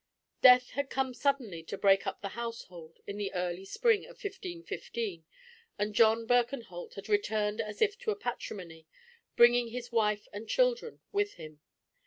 Death had come suddenly to break up the household in the early spring of 1515, and John Birkenholt had returned as if to a patrimony, bringing his wife and children with him.